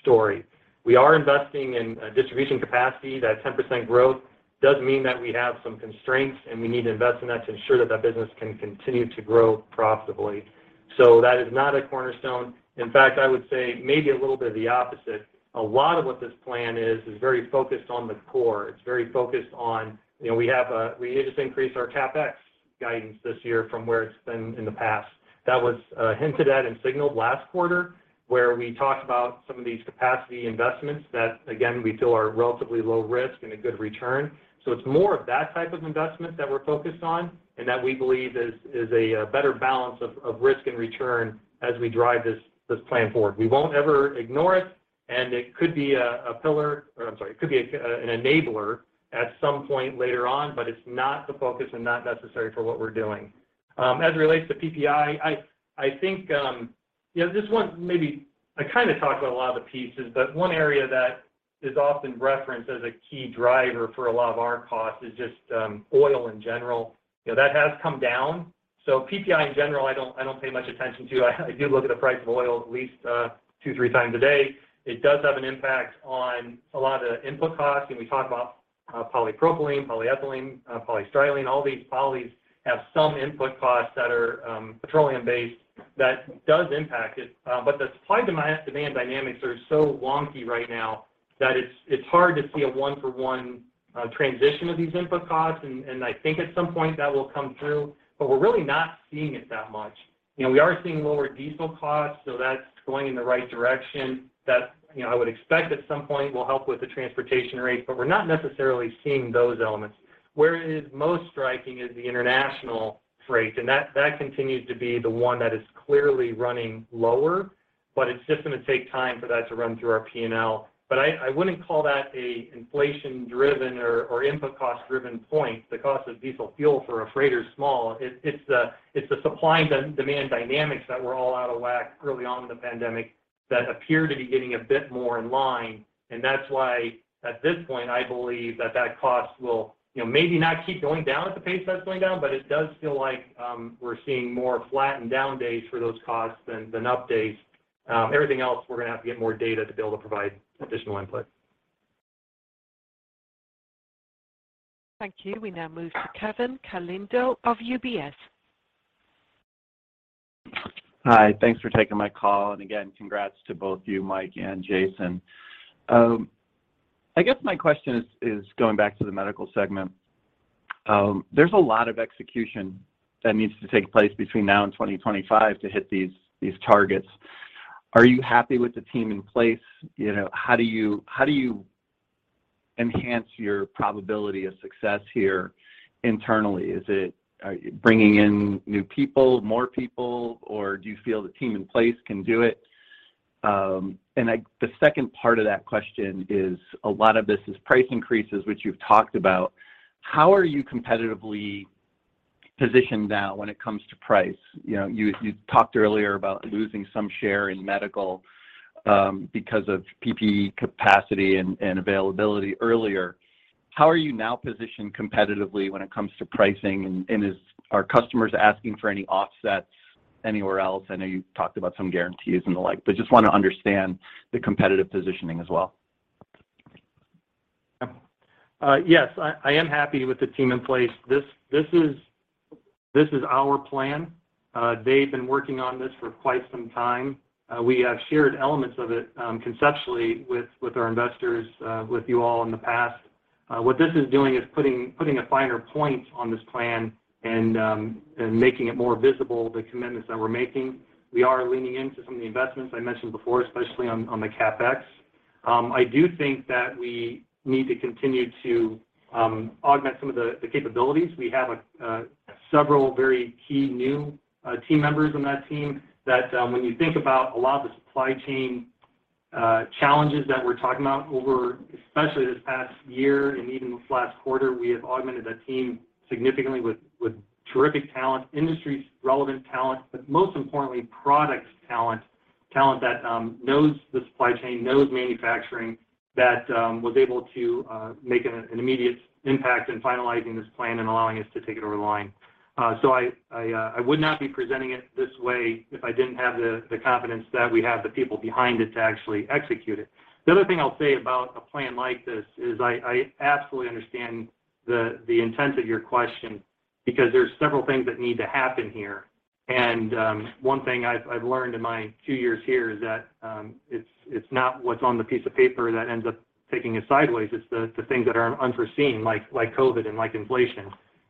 story. We are investing in distribution capacity. That 10% growth does mean that we have some constraints, and we need to invest in that to ensure that that business can continue to grow profitably. That is not a cornerstone. In fact, I would say maybe a little bit of the opposite. A lot of what this plan is very focused on the core. It's very focused on you know we just increased our CapEx guidance this year from where it's been in the past. That was hinted at and signaled last quarter where we talked about some of these capacity investments that again, we feel are relatively low risk and a good return. It's more of that type of investment that we're focused on and that we believe is a better balance of risk and return as we drive this plan forward. We won't ever ignore it, and it could be a pillar or I'm sorry, it could be an enabler at some point later on, but it's not the focus and not necessary for what we're doing. As it relates to PPI I think you know, this one maybe I kind of talked about a lot of the pieces, but one area that is often referenced as a key driver for a lot of our costs is just oil in general. You know, that has come down. PPI in general, I don't pay much attention to. I do look at the price of oil at least 2-3x a day. It does have an impact on a lot of the input costs. You know, we talk about polypropylene, polyethylene, polystyrene. All these polys have some input costs that are petroleum-based that does impact it. But the supply demand dynamics are so wonky right now that it's hard to see a one-for-one transition of these input costs. I think at some point that will come through but we're really not seeing it that much. You know, we are seeing lower diesel costs, so that's going in the right direction. That, you know, I would expect at some point will help with the transportation rates, but we're not necessarily seeing those elements. Where it is most striking is the international freight, and that continues to be the one that is clearly running lower. It's just gonna take time for that to run through our P&L. I wouldn't call that an inflation-driven or input cost-driven point. The cost of diesel fuel for a freighter is small. It's the supply and demand dynamics that were all out of whack early on in the pandemic that appear to be getting a bit more in line, and that's why at this point, I believe that cost will, you know, maybe not keep going down at the pace that it's going down, but it does feel like we're seeing more flattened down days for those costs than up days. Everything else, we're gonna have to get more data to be able to provide additional input. Thank you. We now move to Kevin Caliendo of UBS. Hi. Thanks for taking my call, and again congrats to both you, Mike and Jason. I guess my question is going back to the medical segment. There's a lot of execution that needs to take place between now and 2025 to hit these targets. Are you happy with the team in place? You know, how do you enhance your probability of success here internally? Is it, are you bringing in new people, more people, or do you feel the team in place can do it? The second part of that question is a lot of this is price increases, which you've talked about. How are you competitively positioned now when it comes to price? You know, you talked earlier about losing some share in medical, because of PPE capacity and availability earlier. How are you now positioned competitively when it comes to pricing, and are customers asking for any offsets anywhere else? I know you talked about some guarantees and the like, but just wanna understand the competitive positioning as well. Yes. I am happy with the team in place. This is our plan. They've been working on this for quite some time. We have shared elements of it conceptually with our investors with you all in the past. What this is doing is putting a finer point on this plan and making it more visible, the commitments that we're making. We are leaning into some of the investments I mentioned before, especially on the CapEx. I do think that we need to continue to augment some of the capabilities. We have several very key new team members on that team that, when you think about a lot of the supply chain challenges that we're talking about over especially this past year and even this last quarter, we have augmented that team significantly with terrific talent, industry-relevant talent, but most importantly, product talent. Talent that knows the supply chain, knows manufacturing, that was able to make an immediate impact in finalizing this plan and allowing us to take it over the line. I would not be presenting it this way if I didn't have the confidence that we have the people behind it to actually execute it. The other thing I'll say about a plan like this is I absolutely understand the intent of your question because there's several things that need to happen here. One thing I've learned in my two years here is that it's not what's on the piece of paper that ends up taking it sideways. It's the things that are unforeseen, like COVID and like inflation.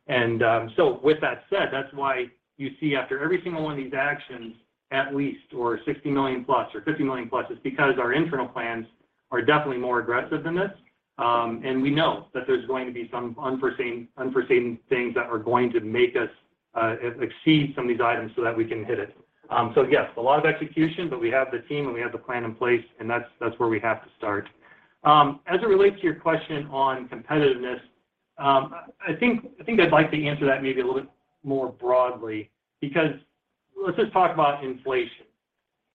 With that said, that's why you see after every single one of these actions, at least $60 million+ or $50 million+. It's because our internal plans are definitely more aggressive than this. We know that there's going to be some unforeseen things that are going to make us exceed some of these items so that we can hit it. Yes a lot of execution, but we have the team, and we have the plan in place, and that's where we have to start. As it relates to your question on competitiveness, I think I'd like to answer that maybe a little bit more broadly because let's just talk about inflation.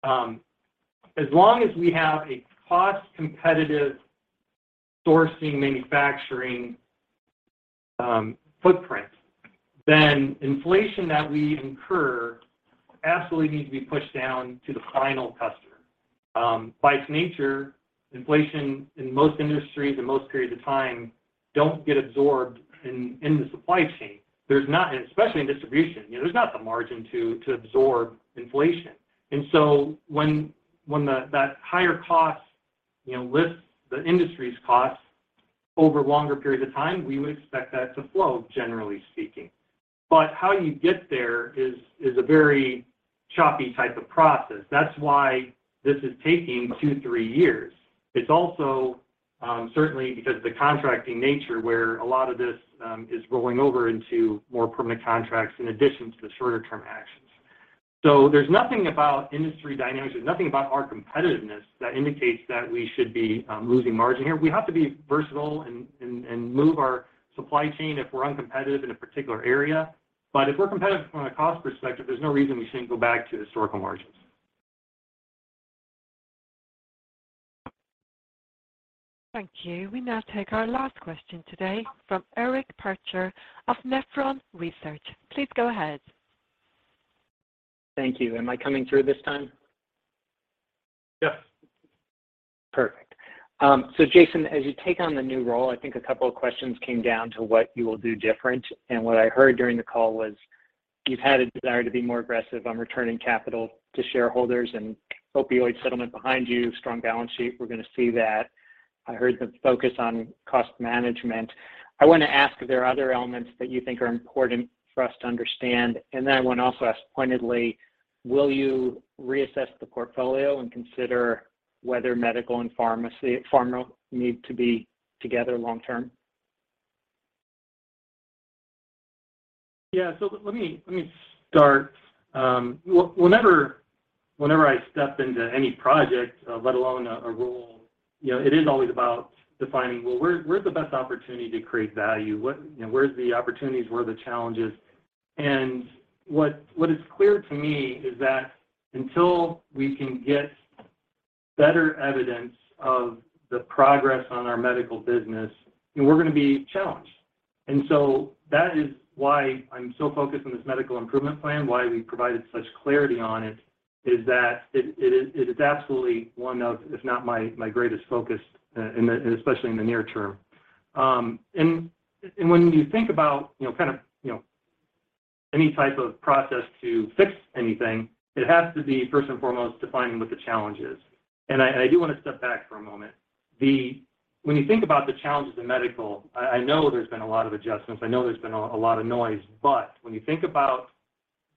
As long as we have a cost-competitive sourcing, manufacturing footprint, then inflation that we incur absolutely needs to be pushed down to the final customer. By its nature, inflation in most industries and most periods of time don't get absorbed in the supply chain. There's not especially in distribution. You know, there's not the margin to absorb inflation. So when the that higher cost, you know, lifts the industry's costs over longer periods of time, we would expect that to flow, generally speaking. How you get there is a very choppy type of process. That's why this is taking two to three years. It's also certainly because of the contracting nature, where a lot of this is rolling over into more permanent contracts in addition to the shorter-term actions. There's nothing about industry dynamics, there's nothing about our competitiveness that indicates that we should be losing margin here. We have to be versatile and move our supply chain if we're uncompetitive in a particular area. If we're competitive from a cost perspective, there's no reason we shouldn't go back to historical margins. Thank you. We now take our last question today from Eric Percher of Nephron Research. Please go ahead. Thank you. Am I coming through this time? Yes. Perfect. Jason, as you take on the new role, I think a couple of questions came down to what you will do different, and what I heard during the call was you've had a desire to be more aggressive on returning capital to shareholders and opioid settlement behind you, strong balance sheet. We're gonna see that. I heard the focus on cost management. I wanna ask if there are other elements that you think are important for us to understand, and then I wanna also ask pointedly, will you reassess the portfolio and consider whether medical and pharmacy, pharma need to be together long term? Yeah. Let me start. Whenever I step into any project, let alone a role, you know, it is always about defining where's the best opportunity to create value, you know, where's the opportunities, where are the challenges. What is clear to me is that until we can get better evidence of the progress on our medical business, you know, we're gonna be challenged. That is why I'm so focused on this medical improvement plan, why we provided such clarity on it, is that it is absolutely one of, if not my greatest focus especially in the near term. When you think about, you know, kind of, you know, any type of process to fix anything, it has to be first and foremost defining what the challenge is. I do wanna step back for a moment. When you think about the challenges in medical, I know there's been a lot of adjustments, I know there's been a lot of noise, but when you think about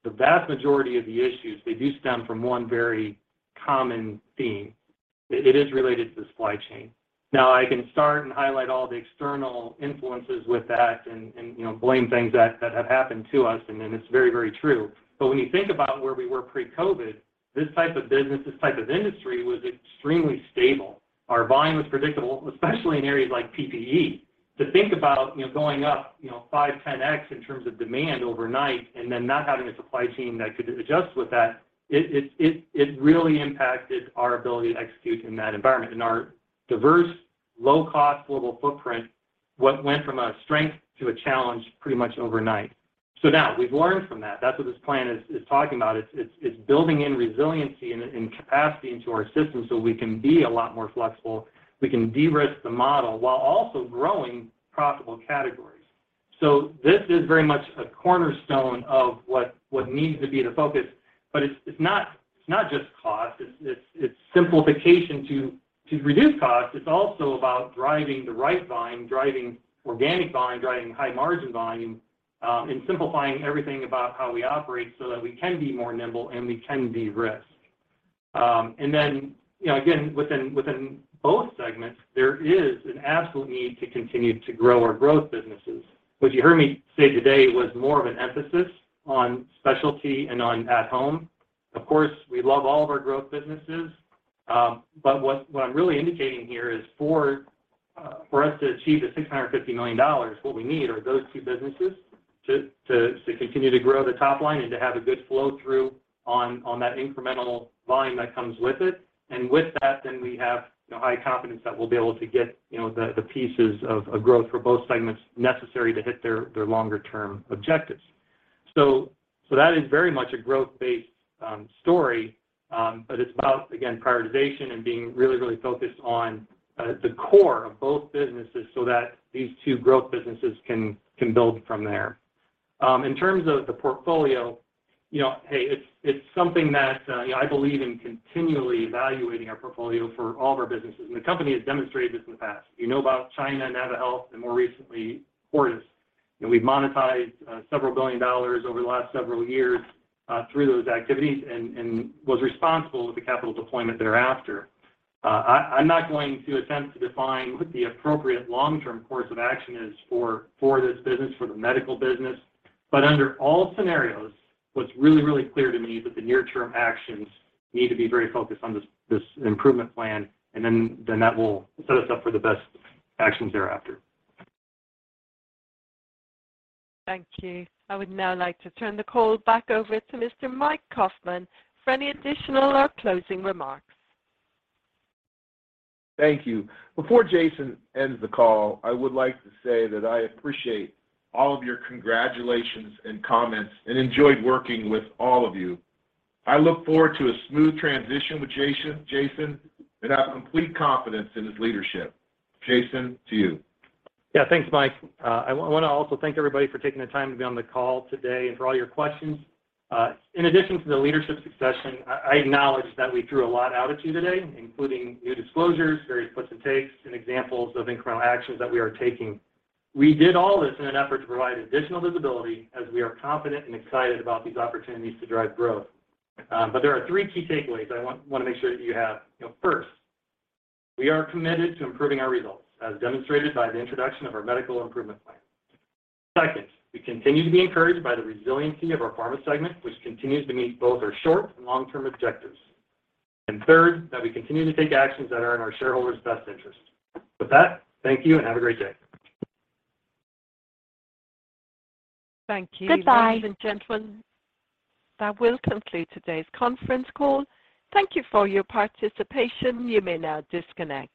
the vast majority of the issues, they do stem from one very common theme. It is related to the supply chain. Now I can start and highlight all the external influences with that and, you know, blame things that have happened to us, and it's very, very true. But when you think about where we were pre-COVID, this type of business, this type of industry was extremely stable. Our volume was predictable, especially in areas like PPE. To think about you know going up you know 5-10x in terms of demand overnight and then not having a supply chain that could adjust with that, it really impacted our ability to execute in that environment. Our diverse, low-cost global footprint went from a strength to a challenge pretty much overnight. Now we've learned from that. That's what this plan is talking about. It's building in resiliency and capacity into our system so we can be a lot more flexible. We can de-risk the model while also growing profitable categories. This is very much a cornerstone of what needs to be the focus. It's not just cost. It's simplification to reduce cost. It's also about driving the right volume driving organic volume driving high margin volume, and simplifying everything about how we operate so that we can be more nimble and we can de-risk. You know, again, within both segments, there is an absolute need to continue to grow our growth businesses. What you heard me say today was more of an emphasis on specialty and on at home. Of course, we love all of our growth businesses, but what I'm really indicating here is for us to achieve the $650 million, what we need are those two businesses to continue to grow the top line and to have a good flow through on that incremental volume that comes with it. With that we have you know, high confidence that we'll be able to get, you know, the pieces of growth for both segments necessary to hit their longer term objectives. So that is very much a growth-based story. But it's about, again, prioritization and being really focused on the core of both businesses so that these two growth businesses can build from there. In terms of the portfolio, you know, hey, it's something that, you know, I believe in continually evaluating our portfolio for all of our businesses. The company has demonstrated this in the past. You know, about China, naviHealth, and more recently, Cordis. You know, we've monetized several billion dollars over the last several years through those activities and was responsible with the capital deployment thereafter. I'm not going to attempt to define what the appropriate long-term course of action is for this business, for the medical business. Under all scenarios, what's really clear to me is that the near term actions need to be very focused on this improvement plan, and then that will set us up for the best actions thereafter. Thank you. I would now like to turn the call back over to Mr. Mike Kaufmann for any additional or closing remarks. Thank you. Before Jason ends the call I would like to say that I appreciate all of your congratulations and comments, and enjoyed working with all of you. I look forward to a smooth transition with Jason, and have complete confidence in his leadership. Jason, to you. Yeah thanks Mike I wanna also thank everybody for taking the time to be on the call today and for all your questions. In addition to the leadership succession, I acknowledge that we threw a lot at you today, including new disclosures, various gives and takes, and examples of incremental actions that we are taking. We did all this in an effort to provide additional visibility as we are confident and excited about these opportunities to drive growth. There are three key takeaways I wanna make sure that you have. You know, first, we are committed to improving our results, as demonstrated by the introduction of our medical improvement plan. Second, we continue to be encouraged by the resiliency of our pharma segment, which continues to meet both our short and long-term objectives. Third that we continue to take actions that are in our shareholders' best interest. With that, thank you and have a great day. Thank you. Goodbye. Ladies and gentlemen, that will conclude today's conference call. Thank you for your participation. You may now disconnect.